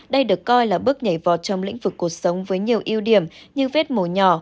đây được coi là bước nhảy vọt trong lĩnh vực cuộc sống với nhiều ưu điểm như vết mồ nhỏ